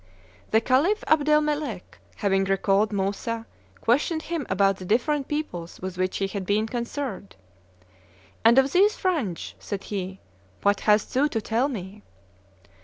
The Khalif Abdelmelek, having recalled Moussa, questioned him about the different peoples with which he had been concerned. "And of these Frandj," said he, "what hast thou to tell me?"